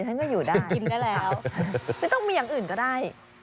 ฉันก็อยู่ได้กินก็แล้วไม่ต้องมีอย่างอื่นก็ได้